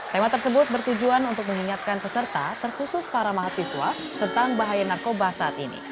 tema tersebut bertujuan untuk mengingatkan peserta terkhusus para mahasiswa tentang bahaya narkoba saat ini